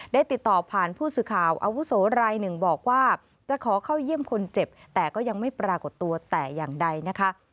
ได้ติดต่อผ่านผู้สื่อข่าวอาวุโสรายหนึ่งบอกว่าจะขอเข้าเยี่ยมคนเจ็บแต่ก็ยังไม่ปรากฏตัวแต่อย่างใดนะคะ